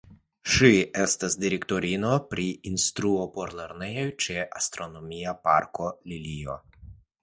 Ŝi estas direktorino pri instruo por lernejoj ĉe la Astronomia Parko Lilio.